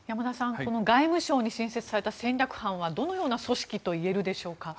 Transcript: この外務省に新設された戦略班はどのような組織といえるでしょうか。